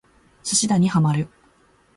寿司打にハマる